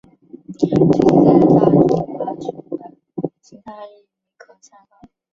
剧集在大中华区的其他译名可参考。